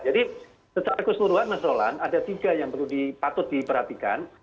jadi setelah keseluruhan nasrolan ada tiga yang patut diperhatikan